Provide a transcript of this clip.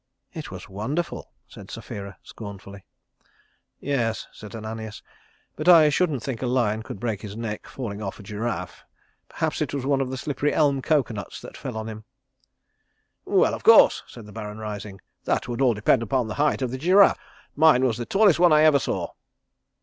"It was wonderful," said Sapphira, scornfully. "Yes," said Ananias, "but I shouldn't think a lion could break his neck falling off a giraffe. Perhaps it was one of the slippery elm cocoanuts that fell on him." "Well, of course," said the Baron, rising, "that would all depend upon the height of the giraffe. Mine was the tallest one I ever saw."